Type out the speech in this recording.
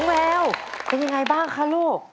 แววเป็นยังไงบ้างคะลูก